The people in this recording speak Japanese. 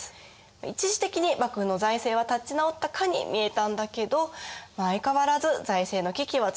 一時的に幕府の財政は立ち直ったかに見えたんだけど相変わらず財政の危機は続いてしまいます。